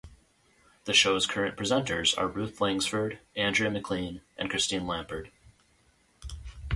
The show's current presenters are Ruth Langsford, Andrea McLean, and Christine Lampard.